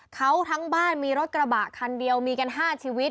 เขาทั้งบ้านมีรถกระบะคันเดียวมีกัน๕ชีวิต